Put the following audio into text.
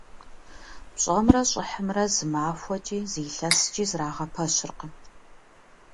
ПщӀэмрэ щӀыхьымрэ зы махуэкӀи, зы илъэскӀи зэрагъэпэщыртэкъым.